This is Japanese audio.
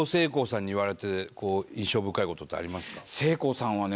せいこうさんはね